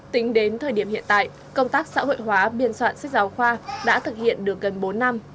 tính đến thời điểm hiện tại công tác xã hội hóa biên soạn sách giáo khoa đã thực hiện được gần bốn năm